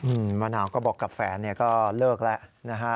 อืมมะนาวก็บอกกับแฟนก็เลิกแล้วนะคะ